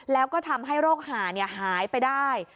แล้วก็ทำให้โรคหาหายไปได้